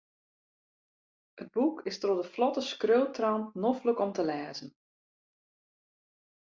It boek is troch de flotte skriuwtrant noflik om te lêzen.